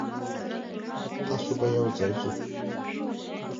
تاسو به یوځای ځو.